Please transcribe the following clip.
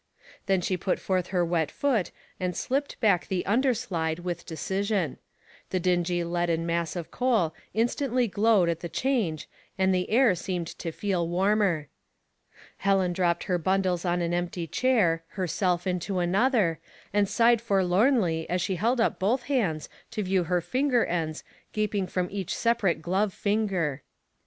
Then she put forth her wet foot and slipped back the under slide with decision ; the dingy leaden mass of coal instantly glowed at the change and the air seemed to feel warmer. Helen dropped her bundles on an empty chair, herself into another, and sighed forlornly as she held up both hands to view her finger ends gaping from each separate glove finger.